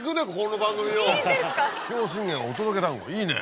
桔梗信玄お届け団子いいね。